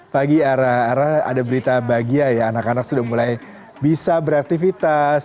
pagi ara ara ada berita bahagia ya anak anak sudah mulai bisa beraktivitas